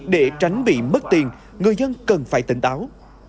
để tránh bị mất tiền người dân cần phải tỉnh táo